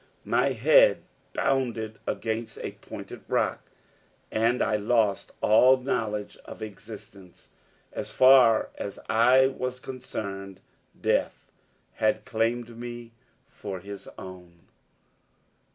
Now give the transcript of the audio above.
My head bounded against a pointed rock, and I lost all knowledge of existence. As far as I was concerned, death had claimed me for his own.